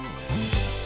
kita bikinnya banyak juga